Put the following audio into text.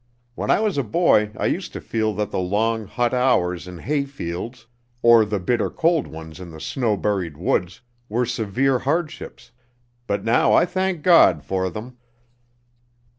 When I was a boy I used to feel that the long, hot hours in hay fields, or the bitter cold ones in the snow buried woods, were severe hardships, but now I thank God for them!